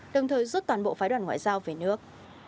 đồng thời rút toàn bộ phái đoàn ngoại giao về nước